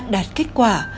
đạt kết quả